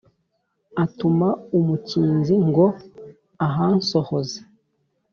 atuma umukinzi ngo ahansohoze